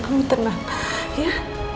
kamu tenang ya